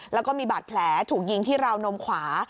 แล้วก็มีบาดแผลถูกยิงที่ราวนมขวา